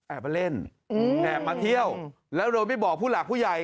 มาเล่นแอบมาเที่ยวแล้วโดยไม่บอกผู้หลักผู้ใหญ่